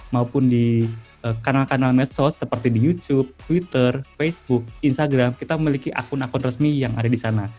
maupun di kanal kanal medsos seperti di youtube twitter facebook instagram kita memiliki akun akun resmi yang ada di sana